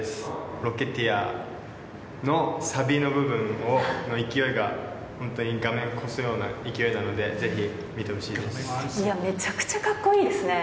ロケティアのサビの部分の勢いが、本当に画面越すような勢いなので、いや、めちゃくちゃかっこいいですね。